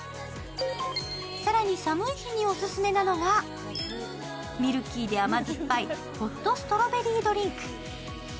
更に寒い日にオススメなのがミルキーで甘酸っぱいホットストロベリードリンク。